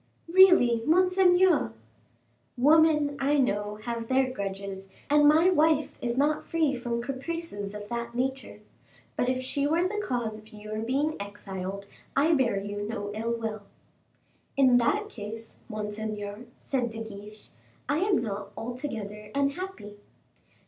"Really, monseigneur " "Women, I know, have their grudges, and my wife is not free from caprices of that nature. But if she were the cause of your being exiled I bear you no ill will." "In that case, monseigneur," said De Guiche. "I am not altogether unhappy."